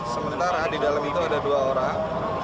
sementara di dalam itu ada dua orang